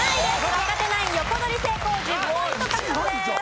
若手ナイン横取り成功１０ポイント獲得です。